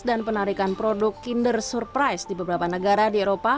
dan penarikan produk kinder surprise di beberapa negara di eropa